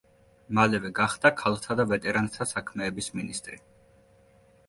მალევე გახდა ქალთა და ვეტერანთა საქმეების მინისტრი.